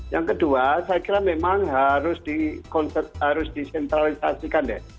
yang kedua saya kira memang harus disentralisasikan deh